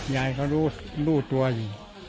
ยายเค้ารู้รู้ตัวอยู่